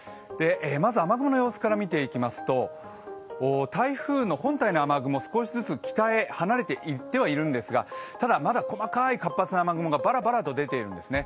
雨雲の様子から見ていきますと台風の本体の雨雲、少しずつ北へ離れていってはいるんですがただ、まだ細かい活発な雨雲がバラバラと出ているんですね。